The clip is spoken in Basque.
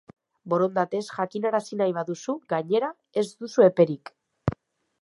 Borondatez jakinarazi nahi baduzu, gainera, ez duzu eperik.